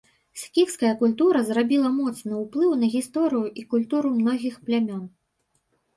Скіфская культура зрабіла моцны ўплыў на гісторыю і культуру многіх плямён.